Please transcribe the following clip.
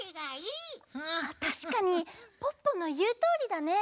たしかにポッポのいうとおりだね。